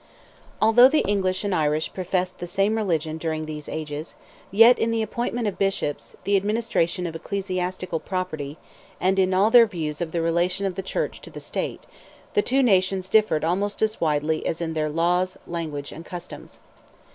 Although the English and Irish professed the same religion during these ages, yet in the appointment of Bishops, the administration of ecclesiastical property, and in all their views of the relation of the Church to the State, the two nations differed almost as widely as in their laws, language, and customs.